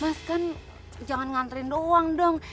mas kan jangan nganterin doang dong